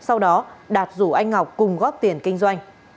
sau đó đạt rủ anh ngọc cùng góp tiền kinh doanh